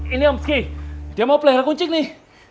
ini om ski dia mau pelahara kunci nih